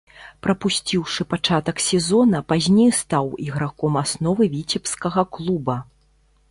Прапусціўшы пачатак сезона, пазней стаў іграком асновы віцебскага клуба.